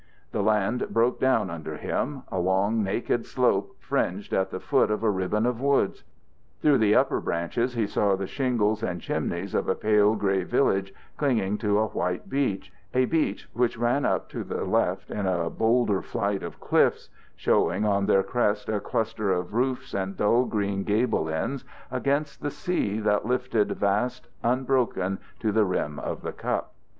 The land broke down under him, a long, naked slope fringed at the foot of a ribbon of woods. Through the upper branches he saw the shingles and chimneys of a pale grey village clinging to a white beach, a beach which ran up to the left in a bolder flight of cliffs, showing on their crest a cluster of roofs and dull green gable ends against the sea that lifted vast, unbroken, to the rim of the cup.